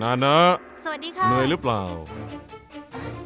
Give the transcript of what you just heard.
นานะหน่วยหรือเปล่าสวัสดีค่ะ